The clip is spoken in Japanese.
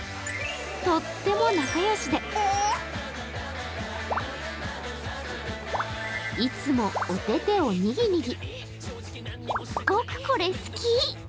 とっても仲良しで、いつも、お手てをにぎにぎ。